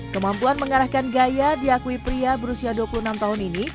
kemampuan mengarahkan gaya diakui pria berusia dua puluh enam tahun ini